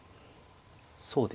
そうですね。